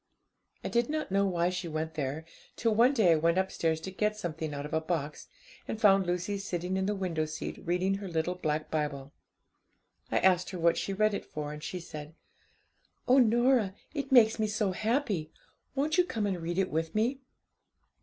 I did not know why she went there, till one day I went upstairs to get something out of a box, and found Lucy sitting in the window seat reading her little black Bible. I asked her what she read it for, and she said '"Oh, Norah, it makes me so happy! won't you come and read it with me?"